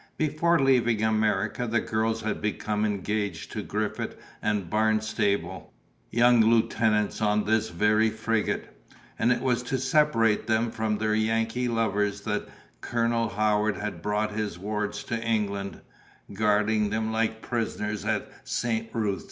Before leaving America the girls had become engaged to Griffith and Barnstaple, young lieutenants on this very frigate; and it was to separate them from their Yankee lovers that Colonel Howard had brought his wards to England, guarding them like prisoners at St. Ruth.